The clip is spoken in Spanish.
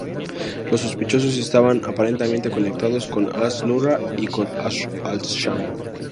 Los sospechosos estaban aparentemente conectados con Al-Nusra y con Ahrar al-Sham.